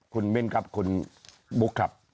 คุณมิ้นครับคุณบุ๊คครับ